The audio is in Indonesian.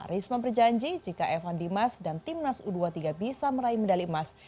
risma berjanji jika evan dimas dan timnas u dua puluh tiga bisa meraih medali emas